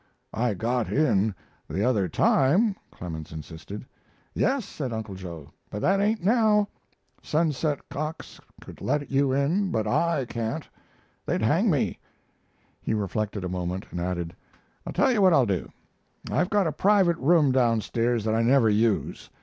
"I got in the other time," Clemens insisted. "Yes," said Uncle Joe; "but that ain't now. Sunset Cox could let you in, but I can't. They'd hang me." He reflected a moment, and added: "I'll tell you what I'll do: I've got a private room down stairs that I never use.